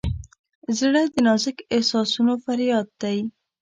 زړه د نازک احساسونو فریاد دی.